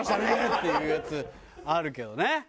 っていうやつあるけどね。